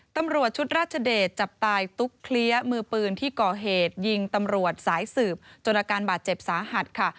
ตำรวจชุดราชเดชจับตายตุ๊กเคลี้ยมือปืนที่ก่อเหตุยิงตำรวจสายสืบจนอาการบาดเจ็บสาหัสค่ะ